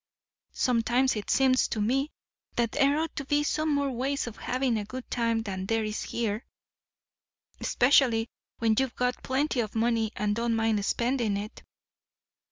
Sometimes it seems to me that there ought to be some more ways of having a good time than there is here, 'specially when you've got plenty of money and don't mind spending it.